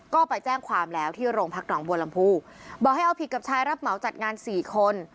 ก็ไปแจ้งความแล้วที่โรงพักหนองบัวลำพูบอกให้เอาผิดกับชายรับเหมาจัดงานสี่คน